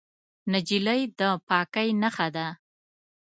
نجلۍ د پاکۍ نښه ده.